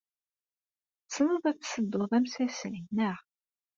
Tessneḍ ad tessedduḍ amsasay, naɣ?